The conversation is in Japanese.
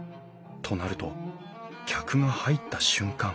となると客が入った瞬間